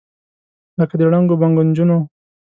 لکه د ړنګو بنګو نجونو،